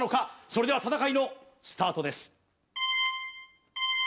それでは戦いのスタートです